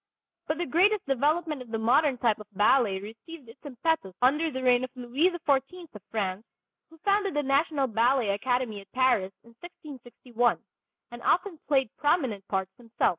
But the greatest development of the modern type of ballet received its impetus under the reign of Louis XIV of France, who founded the national ballet academy at Paris in 1661, and often played prominent parts himself.